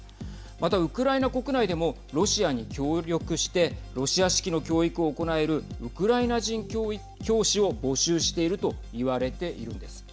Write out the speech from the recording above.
また、ウクライナ国内でもロシアに協力してロシア式の教育を行えるウクライナ人教師を募集していると言われているんです。